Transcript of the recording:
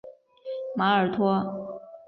马尔托。